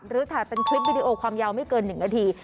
หรือถ่ายเป็นคลิปวิดีโอความยาวไม่เกิน๑นาที